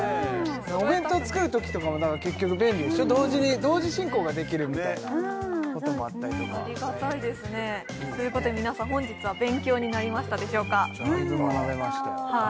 お弁当作るときとかも結局便利でしょ同時に同時進行ができるみたいなこともあったりとかありがたいですねということで皆さん本日は勉強になりましたでしょうかだいぶ学べましたよ